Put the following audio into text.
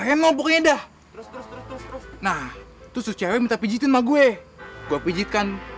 hai bahenol pokoknya dah terus nah tuh cewek minta pijitin maguwe gua pijitkan